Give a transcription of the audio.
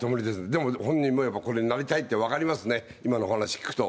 でも本人もこれになりたいって分かりますね、今のお話聞くと。